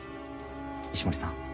石森さん